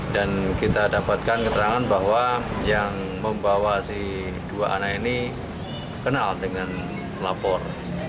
dan kita dapatkan keterangan bahwa yang membawa si dua anak ini kenal dengan lapor